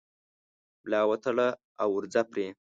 ملا وتړه او ورځه پرې